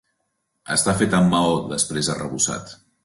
Està fet amb maó després arrebossat.